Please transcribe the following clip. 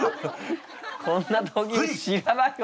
こんな闘牛知らないわ。